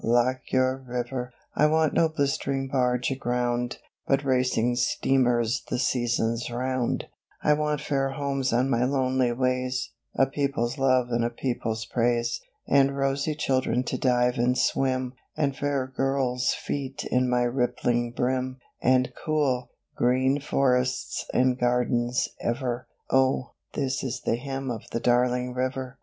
lock your river. 'I want no blistering barge aground, But racing steamers the seasons round; I want fair homes on my lonely ways, A people's love and a people's praise And rosy children to dive and swim And fair girls' feet in my rippling brim; And cool, green forests and gardens ever' Oh, this is the hymn of the Darling River.